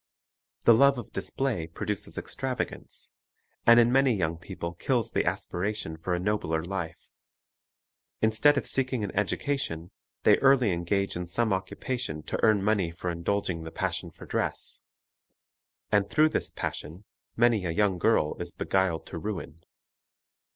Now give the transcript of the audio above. The love of display produces extravagance, and in many young people kills the aspiration for a nobler life. Instead of seeking an education, they early engage in some occupation to earn money for indulging the passion for dress. And through this passion many a young girl is beguiled to ruin.